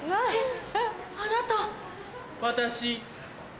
あなた。